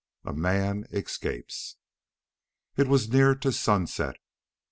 2. A MAN ESCAPES It was near to sunset.